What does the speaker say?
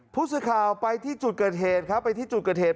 ผู้สื่อข่าวไปที่จุดเกิดเหตุครับไปที่จุดเกิดเหตุ